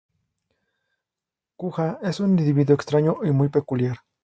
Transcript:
Kuja es un individuo extraño y muy peculiar.